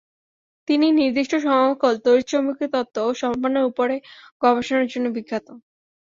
তিনি নির্দিষ্ট সমাকল, তড়িৎ-চুম্বকীয় তত্ত্ব ও সম্ভাবনার উপরে গবেষণার জন্য বিখ্যাত।